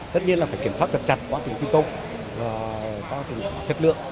tất nhiên là phải kiểm soát chặt chặt quá trình thi công và quá trình chất lượng